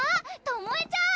ともえちゃん！